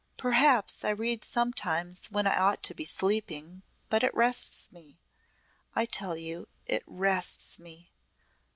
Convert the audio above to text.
"Perhaps I read sometimes when I ought to be sleeping, but it rests me I tell you it rests me.